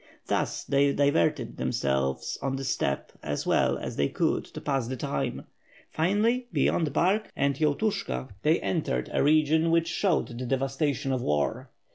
Thus they diverted themselves on the steppe as well as they could to pass the time. Finally beyond Bark, and Yoltushka, 670 WITH FIRE AND SWORD. they entered a region which showed the devastation of war.